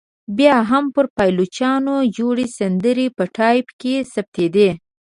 بیا هم پر پایلوچانو جوړې سندرې په ټایپ کې ثبتېدې.